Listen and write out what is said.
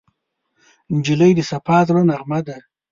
نجلۍ د صفا زړه نغمه ده.